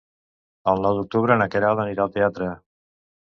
El nou d'octubre na Queralt anirà al teatre.